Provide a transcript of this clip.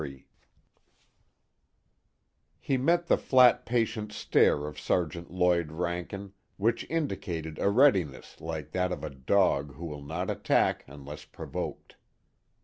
_ III He met the flat patient stare of Sergeant Lloyd Rankin, which indicated a readiness like that of a dog who will not attack unless provoked.